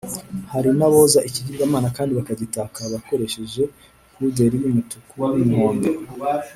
hari n’aboza ikigirwamana kandi bakagitaka bakoresheje puderi y’umutuku n’umuhondo